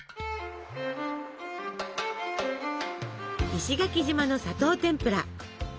石垣島の砂糖てんぷら。